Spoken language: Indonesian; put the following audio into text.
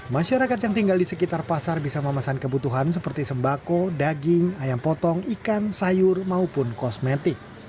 masyarakat yang tinggal di sekitar pasar bisa memesan kebutuhan seperti sembako daging ayam potong ikan sayur maupun kosmetik